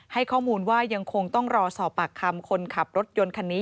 ให้ข้อมูลว่ายังคงต้องรอสอบปากคำคนขับรถยนต์คันนี้